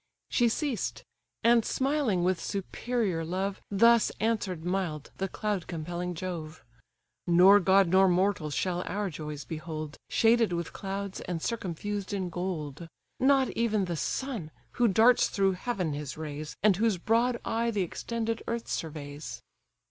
She ceased; and, smiling with superior love, Thus answer'd mild the cloud compelling Jove: "Nor god nor mortal shall our joys behold, Shaded with clouds, and circumfused in gold; Not even the sun, who darts through heaven his rays, And whose broad eye the extended earth surveys."